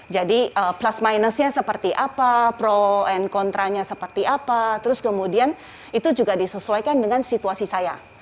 plus minusnya seperti apa pro and kontranya seperti apa terus kemudian itu juga disesuaikan dengan situasi saya